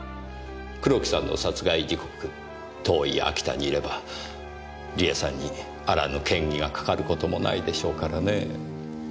黒木さんの殺害時刻遠い秋田にいれば梨絵さんにあらぬ嫌疑がかかることもないでしょうからねぇ。